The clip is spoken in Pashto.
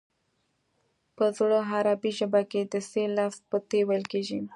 په زړه عربي ژبه کې د ث لفظ په ت ویل کېږي